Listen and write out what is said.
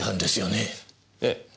ええ。